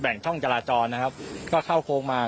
งช่องจราจรนะครับก็เข้าโค้งมา